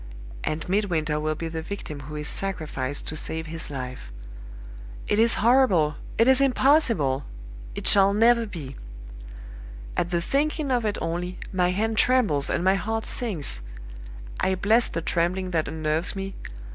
And Midwinter will be the victim who is sacrificed to save his life. "It is horrible! it is impossible! it shall never be! At the thinking of it only, my hand trembles and my heart sinks. I bless the trembling that unnerves me!